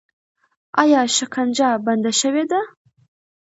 آیا شکنجه بنده شوې ده؟